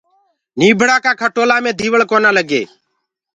نيٚڀڙآ ڪآ کٽولآ مي ديوݪ ڪونآ لگي